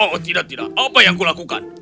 oh tidak tidak apa yang kulakukan